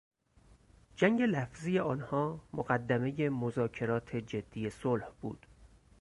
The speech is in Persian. جنگ لفظی آنها مقدمهی مذاکرات جدی صلح بود.